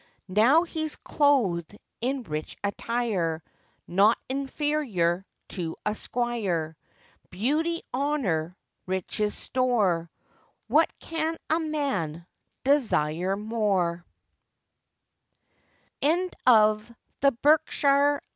Now he's clothed in rich attire, Not inferior to a squire; Beauty, honour, riches' store, What can man desire more?